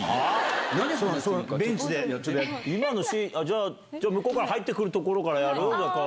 じゃあ向こうから入って来るところからやる？